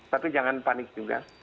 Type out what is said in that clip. tapi jangan panik juga